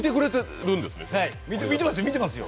見てますよ。